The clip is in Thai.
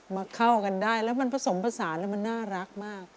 มาเข้ากันได้แล้วมันผสมผสานแล้วมันน่ารักมาก